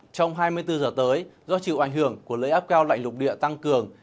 trong hai mươi bốn giờ tới do chịu ảnh hưởng của lợi áp cao lạnh lục địa tăng cường